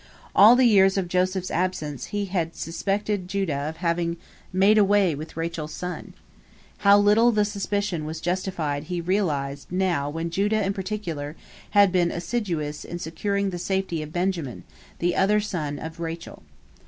All the years of Joseph's absence he bad suspected Judah of having made away with Rachel's son. How little the suspicion was justified he realized now when Judah in particular had been assiduous in securing the safety of Benjamin, the other son of Rachel.